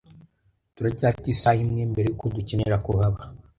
Turacyafite isaha imwe mbere yuko dukenera kuhaba.